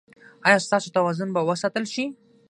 ایا ستاسو توازن به وساتل شي؟